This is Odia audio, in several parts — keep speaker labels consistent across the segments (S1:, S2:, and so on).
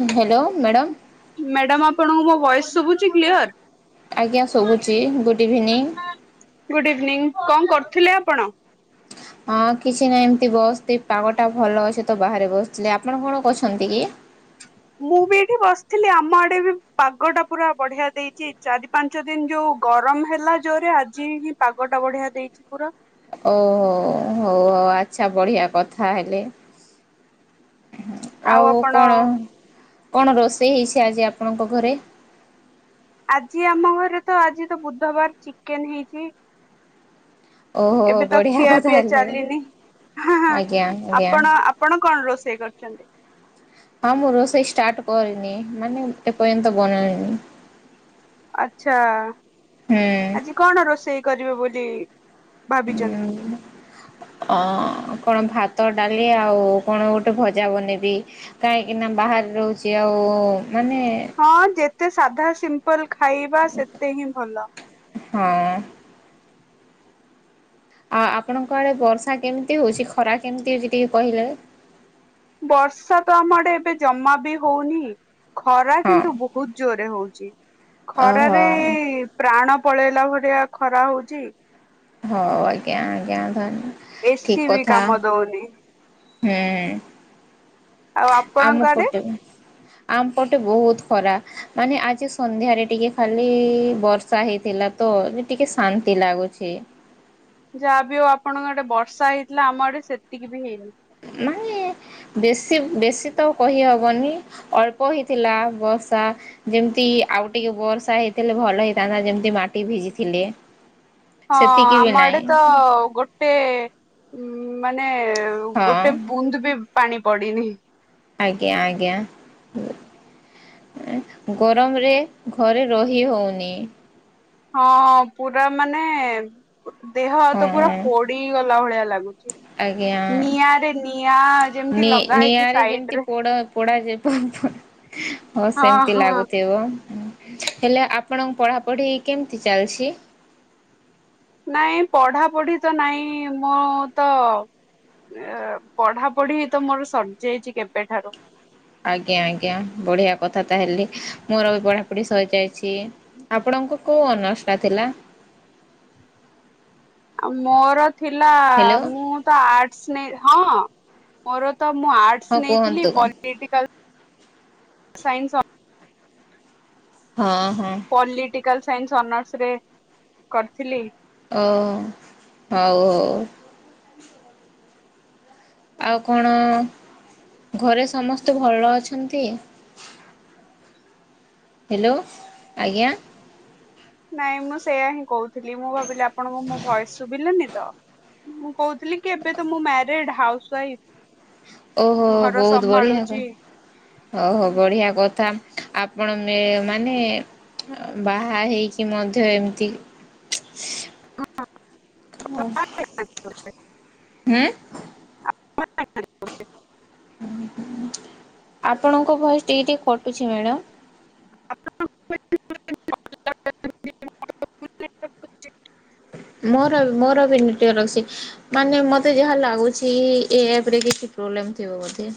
S1: Hello madam.
S2: ମ୍ୟାଡ଼ାମ ଆପଣଙ୍କୁ ମୋ ଭଏସ୍ ଶୁବୁଛି କ୍ଲିୟର।
S1: ଆଜ୍ଞା ଶୁଭୁଛି ଗୁଡ୍ ଇଭିନିଂ।
S2: ଗୁଡ୍ ଇଭିନିଂ କଣ କରୁଥିଲେ ଆପଣ।
S1: ହଁ କିଛି ନାହିଁ ଏମିତି ବସିଥିକି ପାଗଟା ଭଲ ଅଛି ତ ବାହାରେ ବସିଥିଲି ଆପଣ କଣ କରୁଛନ୍ତି କି।
S2: ମୁଁ ବି ଏଇଠି ବସିଥିଲି ଆମ ଆଡ଼େ ବି ପାଗ ଟା ପୁରା ବଢ଼ିଆ ଦେଇଛି। ଚାରି ପାଞ୍ଚ ଦିନ ଯୋଉ ଗରମ ହେଲା ଜୋରରେ ଆଜି ହିଁ ପାଗଟା ବଢ଼ିଆ ଦେଇଛି ପୁରା।
S1: ଓହୋ ହଉ ହଉ ଆଚ୍ଛା ବଢ଼ିଆ କଥା ହେଲେ। ଉଁ ଆଉ କଣ କଣ ରୋଷେଇ ହେଇଛି ଆଜି ଆପଣଙ୍କ ଘରେ।
S2: ଆଜି ଆମ ଘରେ ତ ଆଜି ତ ବୁଧବାର ଚିକେନ ହେଇଛି।
S1: ଓହୋ
S2: ଏବେ ତ
S1: ବଢ଼ିଆ କଥା
S2: ଖିଆପିଆ
S1: ହେଲେ
S2: ଚାଲିନି ହଁ ହ
S1: ଆଜ୍ଞା ଆଜ୍ଞା।
S2: ଆପଣ ଆପଣ ଆପଣ କଣ ରୋଷେଇ କରିଛନ୍ତି।
S1: ହଁ ମୁଁ ରୋଷେଇ ଷ୍ଟାର୍ଟ କରିନି ମାନେ ଏପର୍ଯ୍ୟନ୍ତ ବନେଇନି।
S2: ଆଚ୍ଛା ଆଜି
S1: ହୁଁ।
S2: କଣ ରୋଷେଇ କରିବେ ବୋଲି ଭାବିଛନ୍ତି।
S1: ହୁଁ। ଅ କଣ ଭାତ ଡାଳି ଆଉ କଣ ଗୋଟେ ଭଜା ବନେଇବି। କାହିଁକିନା ବାହାରେ ରହୁଛି ଆଉ ମାନେ
S2: ହଁ ଯେତେ ସାଧା ସିମ୍ପଲ ଖାଇବା ସେତେ ହିଁ ଭଲ।
S1: ହଁ। ଆଉ ଆପଣଙ୍କ ଆଡ଼େ ବର୍ଷା କେମିତି ହଉଛି ଖରା କେମିତି ହଉଛି ଟିକେ କହିଲେ।
S2: ବର୍ଷା ତ ଆମ ଆଡ଼େ ଏବେ ଜମା ବି ହଉନି। ଖରା
S1: ହଁ
S2: କିନ୍ତୁ ବହୁତ ଜୋରେ ହଉଛି
S1: ଓହୋ
S2: ଖରାରେ ପ୍ରାଣ ପଳେଇଲା ଭଳିଆ ଖରା ହଉଛି।
S1: ହଉ ଆଜ୍ଞା ଆଜ୍ଞା ଧନ୍ୟ
S2: ଏସିି
S1: ଠିକ
S2: ବି
S1: କଥା
S2: କାମ ଦଉନି।
S1: ହୁଁ।
S2: ଆଉ ଆପଣଙ୍କ
S1: ଆମ
S2: ଆଡେ
S1: ପଟେ ଭା ଆମ ପଟେ ବହୁତ ଖରା। ମାନେ ଆଜି ସନ୍ଧ୍ୟାରେ ଟିକେ ଖାଲି ବର୍ଷା ହେଇଥିଲା ତ ଯେ ଟିକେ ଶାନ୍ତି ଲାଗୁଛି।
S2: ଯାହାବି ଆଉ ଆପଣଙ୍କ ଆଡ଼େ ବର୍ଷା ହେଇଥିଲା ଆମ ଆଡ଼େ ସେତିକି ବି ହେଇନି।
S1: ମାନେ ବେଶୀ ବେଶୀ ତ କହିହବନି ଅଳ୍ପ ହେଇଥିଲା ବର୍ଷା। ଯେମିତି ଆଉ ଟିକେ ବର୍ଷା ହେଇଥିଲେ ଭଲ ହେଇଥାନ୍ତା ଯେମିତି ମାଟି ଭିଜିଥିଲେ।
S2: ହଁ
S1: ସେତିକି ବି
S2: ଆମ ଆଡ଼େ
S1: ନାହିଁ
S2: ତ ଗୋଟେ ଉ ମାନେ
S1: ହଁ
S2: ଗୋଟେ ବୁନ୍ଦ ବି ପାଣି ପଡ଼ିନି।
S1: ଆଜ୍ଞା ଆଜ୍ଞା ଗରମରେ ଘରେ ରହି ହଉନି।
S2: ହଁ ହଁ ପୁରା ମାନେ ଦେହ ହାତ ପୁରା
S1: ହଁ
S2: ପୋଡ଼ିଗଲା ଭଳିଆ ଲାଗୁ
S1: ଆଜ୍ଞା।
S2: ନିଆଁରେ ନିଆଁ ଯେମିତି ଲଗା ହେଇଛି ସାଇଡରେ
S1: ପୋଡ଼ା ଯିବ ହଉ
S2: ହଁ
S1: ସେମିତି
S2: ହଁ
S1: ଲାଗୁଥିବ। ହେଲେ ଆପଣଙ୍କ ପଢ଼ା ପଢ଼ି କେମିତି ଚାଲିଛି?
S2: ନାଇଁ ପଢ଼ା ପଢ଼ି ତ ନାଇଁ ମୁଁ ତ ଏ ପଢ଼ା ପଢ଼ି ତ ମୋର ସରି ଯାଇଛି କେବେଠାରୁ।
S1: ଆଜ୍ଞା ଆଜ୍ଞା ବଢ଼ିଆ କଥା ତାହେଲେ ମୋର ବି ପଢ଼ାପଢ଼ି ସରିଯାଇଛି। ଆପଣଙ୍କ କୋଉ ଅନର୍ଷଟା ଥିଲା?
S2: ମୋର ଥିଲା
S1: ହ୍ୟାଲୋ
S2: ମୁଁ ତ ଆର୍ଟସ୍ ନେ ହଁ ମୋର ତ ମୁଁ
S1: ହଁ
S2: ଆର୍ଟସ୍
S1: କୁହନ୍ତୁ
S2: ନେଇଥିଲି ପଲି ଟିକାଲ୍ ସାଇନସ୍-
S1: ହଁ ହଁ
S2: ପଲିଟିକାଲ ସାଇନ୍ସ ଅନର୍ସ ରେ କରିଥିଲି।
S1: ଓ ହଉ ହଉ ଆଉ କଣ ଘରେ ସମସ୍ତେ ଭଲ ଅଛନ୍ତି? ହେଲୋ ଆଜ୍ଞା!
S2: ନାଇଁ ମୁଁ ସେଇୟା ହିଁ କହୁଥିଲି ମୁଁ ଭାବିଲି ଆପଣଙ୍କୁ ମୋ ଭଏସ୍ ଶୁଭିଲାନି ତ! ମୁଁ କହୁଥିଲି କି ଏବେ ତ ମୁଁ ମ୍ୟାରେଡ୍ ହାଉସ ୱାଇଫ୍
S1: ଓହୋ ବହୁତ ବଢ଼ିଆ କ ହଉ ହଉ ବଢିଆ କଥା ଆପଣ ମେ ମାନେ ବାହା ହେଇକି ମଧ୍ୟ ଏମିତି
S2: ହ
S1: ହୁଁ
S2: [unintelligible] ଆ [unintelligible]
S1: ଆପଣଙ୍କ ଭଏସ ଟିକେ ଟିକେ କଟୁଛି ମ୍ୟାଡାମ।
S2: [unintelligible]
S1: ମୋର ମୋର ବି ନେଟୱର୍କ ଅଛି। ମାନେ ମତେ ଯାହା ଲାଗୁଛି ଏ ଆପ୍ ରେ କିଛି ପ୍ରୋବଲେମ୍ ଥିବ ବୋଧେ!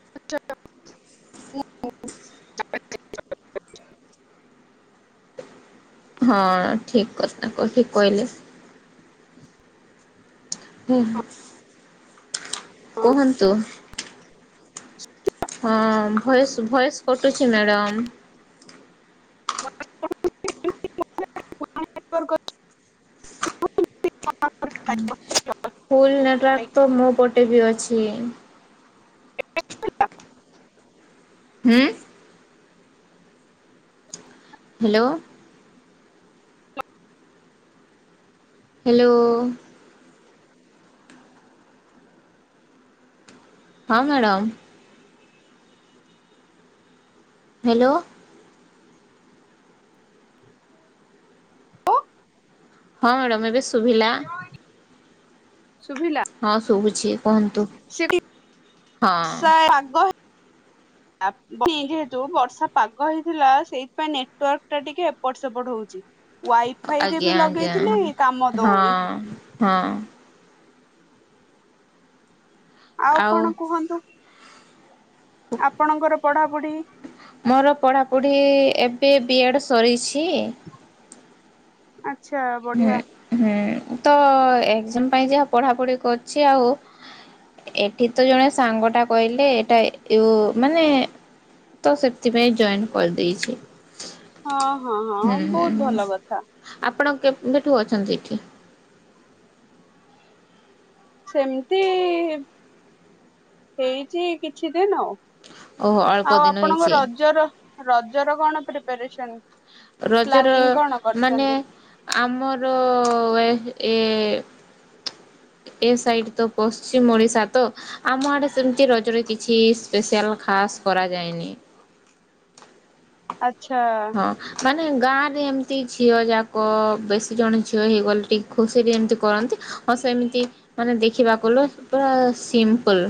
S1: [inaudible] [inaudible] ହଁ ଠିକ କଥା ଠିକ କହିଲେ ହୁଁ ହୁଁ କୁହନ୍ତୁ। ହଁ ଭଏସ୍ ଭଏସ୍ କଟୁଛି ମ୍ୟାଡ଼ମ୍।
S2: [unintelligible]
S1: ଫୁଲ ନେଟୱାର୍କ ତ ମୋ ପଟେ ବି ଅଛି। ହୁଁ? ହ୍ୟାଲୋ! ହ୍ୟାଲୋ। ହଁ ମ୍ୟାଡ଼ାମ ହ୍ୟାଲୋ ହଁ ମାଡ଼ାମ ଏବେ ଶୁଭିଲା।
S2: ଶୁଭିଲା?
S1: ହଁ ଶୁଭୁଛି କୁହନ୍ତୁ।
S2: ସେଠି ସ ଆଗ
S1: ହ [inaudible]
S2: ଆପ୍ ଯେହେତୁ ବର୍ଷା ପାଗ ହେଇଥିଲା ସେଇଥିପାଇଁ ନେଟୱାର୍କଟା ଟିକେ ଏପଟ ସେପଟ ହୋଉଚି। ୱାଇଫାଇରେ ବି ଲଗେଇଥିଲି କାମ ଦୋଉନି।
S1: ଅଁମ୍ ହଁ।
S2: ଆଉ କଣ କୁହନ୍ତୁ? ଆପଣଙ୍କର ପଢାପୁଢ଼ି
S1: ମୋର ପଢ଼ାପୁଢ଼ି ଏବେ ବି ଏଡ଼୍ ସରିଛି
S2: ଆଛା
S1: ହୁଁ
S2: ବଢିଆ।
S1: ହୁଁ ତ ଏଗଜାମା ପାଇଁ ଯାହା ପଢାପଢି କରଛି ଆଉ ଏଠି ତ ଜଣେ ସାଙ୍ଗଟା କହିଲେ ଏଟା ୟୁ ମାନେ ତ ସେଥିପାଇଁ ଜଏନ୍ କରିଦେଇଛି।
S2: ହଁ ହଁ ହଁ
S1: ହୁଁ ହୁଁ
S2: ବୋହୁତ ଭଲ କଥା।
S1: ଆପଣ କେବେଠୁ ଅଛନ୍ତି ଏଠି?
S2: ସେମତି ଏ ହେଇଚି ଏଇ କିଛି ଦିନ ଆଉ।
S1: ଓହୋ ଅଳ୍ପ
S2: ଆଉ
S1: ଦିନ
S2: ଆପଣଙ୍କ
S1: ହେଇଛି
S2: ରଜର ରଜର କଣ ପ୍ରିପାରେସନ?
S1: ରଜର
S2: ପ୍ଲାନିଂ କଣ
S1: ମାନେ
S2: କରିଛନ୍ତି?
S1: ଆମର ଏହ୍ ଏ ଏ ସାଇଡ ତ ପଶ୍ଚିମ ଓଡିଶା ତ ଆମ ଆଡ଼େ ସେମତି ରଜରେ କିଛି ସ୍ପେଶିଆଲ ଖାସ୍ କରାଯାଏନି।
S2: ଆଚ୍ଛା
S1: ହ ମାନେ ଗାଁରେ ଏମତି ଝିଅଯାକ ବେଶୀ ଜଣ ଝିଅ ହେଇଗଲେ ଟିକ୍ ଖୁସିରେ ଏମତି କରନ୍ତି ଆଉ ସେମିତି ମାନେ ଦେଖିବାକୁ ଲୁ ପୁରା ସିମ୍ପୁଲ।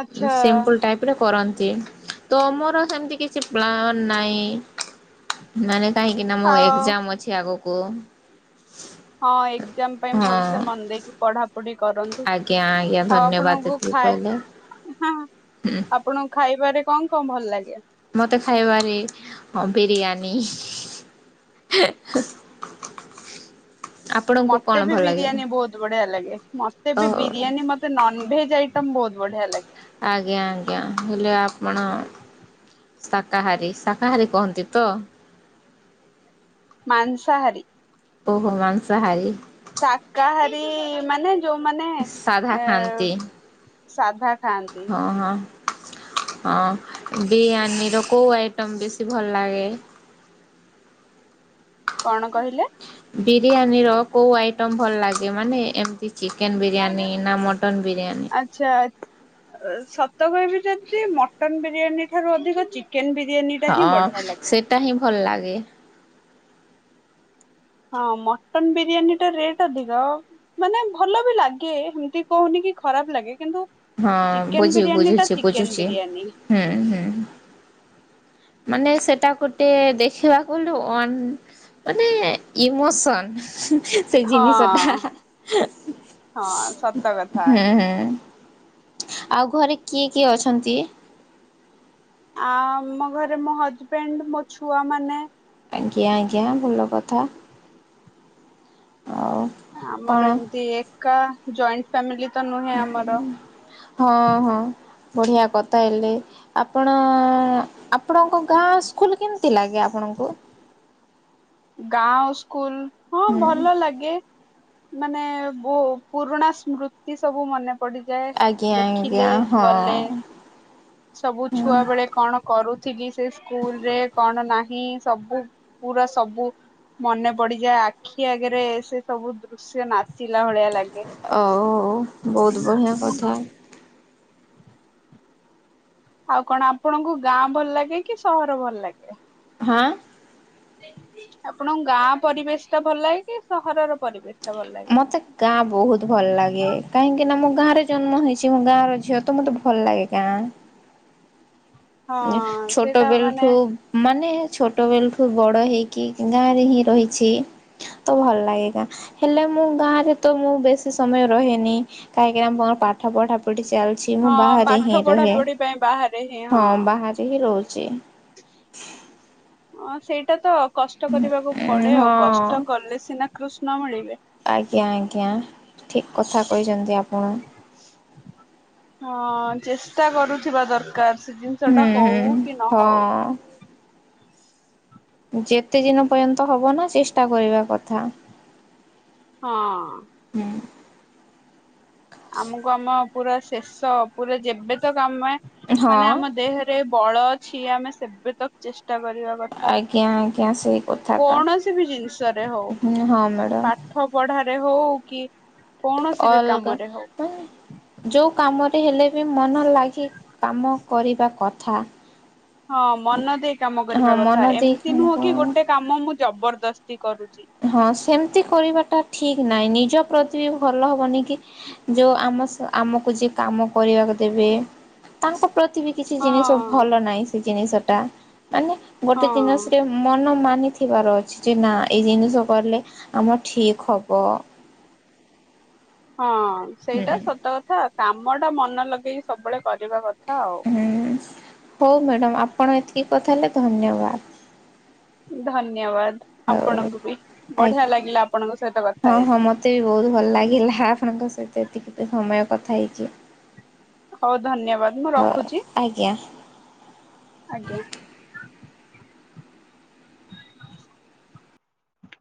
S2: ଆଚ୍ଛା
S1: ସିମ୍ପୁଲ ଟାଇପର କରନ୍ତି ତମର ସେମତି କି କିଛି ପ୍ଲାନ ନାହିଁ ମାନେ କାହିଁକିନା ମୋ
S2: ଆଉ
S1: ଏଗଜାମ ଅଛି ଆଗକୁ।
S2: ହଁ ଏଗଜାମ ପାଇଁ
S1: ହଁ
S2: ଭଲସେ ମନ ଦେଇକି ପଢାପଢି କରନ୍ତୁ
S1: ଆଜ୍ଞା ଆଜ୍ଞା
S2: ଆଉ
S1: ଧନ୍ୟବାଦ
S2: ଆପଣଙ୍କୁ
S1: ଏତିକି
S2: ଖାଇ
S1: କହିଲେ
S2: ହଁ ଆପ୍ ପଣଙ୍କୁ ଖାଇବାରେ କଣ କଣ ଭଲ ଲାଗେ?
S1: ମତେ ଖାଇବାରେ ହଁ ବିରିୟାନୀ ହେ ହେ
S2: ମତେ ବି ବିରିୟାନୀ ବୋହୁତ ବଢିଆ ଲାଗେ ମତେ
S1: ଓ
S2: ବି ବିରିୟାନୀ ମ ତେ ନନଭେଜ୍ ଆଇଟମ୍ ବୋହୁତ ବଢିଆ ଲାଗେ।
S1: ଆଜ୍ଞା ଆଜ୍ଞା ହେଲେ ଆପଣ ଶାକାହାରୀ ଶାକାହାରୀ କହନ୍ତି ତ?
S2: ମାଂସହାରୀ।
S1: ଓହୋ ମାଂସାହାରୀ।
S2: ଶାକାହାରୀ ମାନେ ଯୋଉମାନେ
S1: ସାଧା
S2: ଏ
S1: ଖାଆନ୍ତି
S2: ସାଧା ଖାଆନ୍ତି।
S1: ଓହଁ। ହଁ ବିରିୟାନୀର କୋଉ ଆଇଟମ୍ ବେଶୀ ଭଲ ଲାଗେ?
S2: କଣ କହିଲେ?
S1: ବିରିୟାନୀର କୋଉ ଆଇଟମ୍ ଭଲ ଲାଗେ ମାନେ ଏମତି ଚିକେନ୍ ବିରିୟାନୀ ନା ମଟନ୍ ବିରିୟାନୀ?
S2: ଆଚ୍ଛା ଅ ସତ କହିବି ଯଦି ମଟନ୍ ବିରିୟାନୀ ଠାରୁ ଅଧିକ ଚି କେନ୍ ବିରିୟାନୀଟା ହିଁ ବଢିଆ ଲାଗେ।
S1: ଟା ହିଁ ଭଲ ଲାଗେ।
S2: ହଁ ମଟନ୍ ବିରିୟାନୀଟା ରେଟ୍ ଅଧିକ। ମାନେ ଭଲ ବି ଲାଗେ ହେମତି କହୁନି କି ଖରାପ ଲାଗେ କିନ୍ତୁ
S1: ହଁ
S2: ଚିକେନ
S1: ବୁଝି
S2: ବିରିୟାନୀ ଟା
S1: ବୁଝୁଚି
S2: ଚିକେନ
S1: ବୁଝୁଚି
S2: ବିରିୟାନୀ
S1: ହୁଁ ହୁଁ। ମାନେ ସେଟା ଗୋଟେ ଦେଖିବାକୁ ଗଲେ ଅନ୍ ମାନେ ଇମୋସନ୍ ସେଇ ଜିନିଷଟା
S2: ହଁ ହଁ ସତ କଥା
S1: ହୁଁ ହୁଁ ଆଉ ଘରେ କିଏ କିଏ ଅଛନ୍ତି?
S2: ଆମ ଘରେ ମୋ ହଜବେଣ୍ଡ ମୋ ଛୁଆମାନେ
S1: ଆଜ୍ଞା ଆଜ୍ଞା ଭଲ କଥା ଆଉ କଣ
S2: ଆମର ଏମତି ଏକା ଜଏଣ୍ଟ ଫ୍ୟାମିଲି ତ ନୁହେଁ ଆମର
S1: ହଁ ହଁ ବଢିଆ କଥା ହେଲେ ଆପଣ ଆପଣଙ୍କ ଗାଁ ସ୍କୁଲ କେମତି ଲାଗେ ଆପଣଙ୍କୁ?
S2: ଗାଁ ଓ ସ୍କୁଲ ହଁ ଭଲ ଲାଗେ। ମାନେ ବୋ ପୁରୁଣା ସ୍ମୃତି ସବୁ ମନେ ପଡି ଯାଏ
S1: ଆଜ୍ଞା
S2: ଦେଖିଲେ
S1: ଆଜ୍ଞା ହଁ
S2: ଗଲେ ସବୁ ଛୁଆବେଳେ କଣ କରୁଥିଲି ସେ ସ୍କୁଲରେ କଣ ନାହିଁ ସବୁ। ପୁରା ସ୍ ସବୁ ମନେ ପଡିଯାଏ ଆଖି ଆଗରେ ସେ ସବୁ ଦୃଶ୍ୟ ନାଚିଲା ଭଳିଆ ଲାଗ୍
S1: ଆଉ ବହୁତ ବଢିଆ କଥା।
S2: ଆଉ କଣ ଆପଣଙ୍କୁ ଗାଁ ଭଲ ଲାଗେ କି ସହର ଭଲ ଲାଗେ?
S1: ହା।
S2: ଆପଣଙ୍କୁ ଗାଁ ପରିବେଶଟା ଭଲ ଲାଗେ କି ସହରର ପରିବେଶ? ଟା ଭଲ ଲାଗେ
S1: ମତେ ଗାଁ ବୋହୁତ ଭଲ ଲାଗେ କାହିଁକିନା ମୁଁ ଗାଁରେ ଜନ୍ମ ହେଇଚି ମୁଁ ଗାଁର ଝିଅ ତ ମତେ ଭଲ ଲାଗେ ଗାଁ। ଉଁ
S2: ହଁ
S1: ଛୋଟ
S2: ସେଇଟା ମାନେ
S1: ବେଲଠୁ ମାନେ ଛୋଟବେଲଠୁ ବଡ ହେଇକି ଗାଁରେ ହିଁ ରହିଛି। ତ ଭଲ ଲାଗେ ଗାଁ। ହେଲେ ମୁଁ ଗାଁରେ ତ ମୁଁ ବେଶୀ ସମୟ ରହେନି କାହିଁକି ନା ମୋ ପାଠ ପଢା ପଢି ଚାଲିଛି ମୁଁ
S2: ହଁ
S1: ବାହାରେ
S2: ପାଠ
S1: ହିଁ
S2: ପଢା
S1: ରୁହେ।
S2: ପଢି ପାଇଁ ବାହାରେ [inaudible]
S1: ହଁ ବାହାରେ ହିଁ ରହୁଛି।
S2: ହଁ ସେଇଟା ତ କଷ୍ଟ କରିବାକୁ ପଡେ।
S1: ହଁ
S2: ଆଉ କଷ୍ଟ କଲେ ସିନା କୃଷ୍ଣ ମିଳିବେ।
S1: ଆଜ୍ଞା ଆଜ୍ଞା। ଠିକ୍ କଥା କହିଛନ୍ତି ଆପଣ।
S2: ହଁ ଚେଷ୍ଟା କରୁଥିବା ଦରକାର। ସେ ଜିନିଷ
S1: ହୁଁ
S2: ଟା
S1: ହୁଁ
S2: ହଉ କି ନ ହଉ?
S1: ହଁ। ଯେତେ ଦିନ ପର୍ଯ୍ୟନ୍ତ ହବ ନା ଚେଷ୍ଟା କରିବା କଥା।
S2: ହଁ।
S1: ହୁଁ।
S2: ଆମକୁ ଆମ ପୁରା ଶେଷ ପୁରା ଯେବେତ କାମେ
S1: ହଁ
S2: ମାନେ ଆମ ଦେହ ରେ ବଳ ଅଛି। ଆମେ ସେବେ ତକ୍ ଚେଷ୍ଟା କରିବା କଥା।
S1: ଆଜ୍ଞା ଆଜ୍ଞା ସେଇ
S2: କୌଣସି ବି ଜିନିଷରେ ହଉ।
S1: ହଁ ହଁ ମ୍ୟାଡ଼ମ୍।
S2: ପଢ଼ାରେ ହଉ କି କୌଣସି ବି
S1: ଅଲଗା
S2: କାମରେ ହଉ।
S1: ତ୍ ଯୋଉ କାମରେ ହେଲେ ବି ମନ ଲାଗି କାମ କରିବା କଥା।
S2: ହଁ ମନ ଦେଇ କାମ
S1: ହଁ
S2: କରିବା
S1: ମନ
S2: କଥା।
S1: ଦେଇ
S2: ଏମିତି ନୁହଁ କି ଗୋଟେ କାମ ମୁଁ ଜବରଦସ୍ତି କରୁଛି।
S1: ହଁ ସେମିତି କରିବାଟା ଠିକ ନାହିଁ ନିଜ ପ୍ରତି ବି ଭଲ ହବନି କି? ଯୋଉ ଆମ ଆମକୁ ଯିଏ କାମ କରିବାକୁ ଦେବେ ତାଙ୍କ ପ୍ରତି ବି କିଛି ଜିନିଷ
S2: ହଁ
S1: ଭଲ ନାହିଁ ସେ ଜିନିଷଟା ମାନେ ଗୋଟେ
S2: ହଁ।
S1: ଜିନିଷରେ ମନ ମାନିଥିବାର ଅଛି ଯେ ନା ଏଇ ଜିନିଷ କଲେ ଆମର ଠିକ ହବ।
S2: ହଁ ସେଇଟା
S1: ହୁଁ।
S2: ସତ କଥା। କାମ ଟା ମନ ଲଗେଇକି ସବୁବେଳେ କରିବା କଥା ଆଉ।
S1: ହୁଁ ହୋଉ ମ୍ୟାଡମ୍ ଆପଣ ଏତିକି କଥା ହେଲେ ଧନ୍ୟବାଦ।
S2: ଧନ୍ୟବାଦ
S1: ହଉ
S2: ଆପଣଙ୍କୁ ବି ବଢିଆ
S1: ଆଜ୍ଞା।
S2: ଲାଗିଲା ଆପଣଙ୍କ ସହିତ କଥା
S1: ହଁ ହଁ
S2: ହେଇକି।
S1: ମତେ ବି ବୋହୁତ ଭଲ ଲାଗିଲା। ଆପଣଙ୍କ ସହିତ ଏତିକି ତ ସମୟ କଥା ହେଇଚି।
S2: ହୋଉ ଧନ୍ୟବାଦ ମୁଁ ରଖୁଚି।
S1: ଆଜ୍ଞା।
S2: ଆଜ୍ଞା।